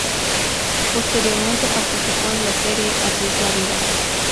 Posteriormente participó en la serie "Así es la vida".